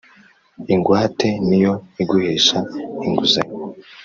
Ingwate niyo iguhesha inguzanyo.